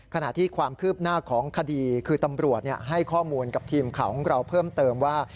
ขณะที่ความคืบหน้าของคดีคือตำรวจให้ข้อมูลกับทีมข่าวของเราเพิ่มเติมว่า